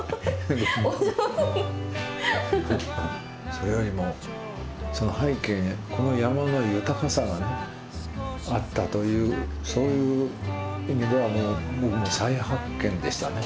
それよりもその背景にこの山の豊かさがねあったというそういう意味ではもう僕も再発見でしたね。